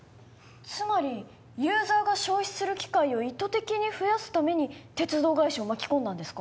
つまりユーザーが消費する機会を意図的に増やすために鉄道会社を巻き込んだんですか？